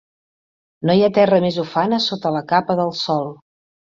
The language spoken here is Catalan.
No hi ha terra més ufana sota la capa del sol.